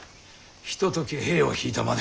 ひととき兵を引いたまで。